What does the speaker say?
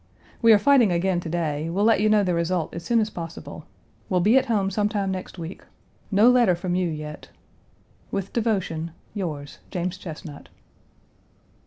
We are fighting again today; will let you know the result as soon as possible. Will be at home some time next week. No letter from you yet. With devotion, yours, JAMES CHESNUT.